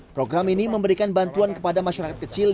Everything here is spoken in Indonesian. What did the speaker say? program ini memberikan bantuan kepada masyarakat kecil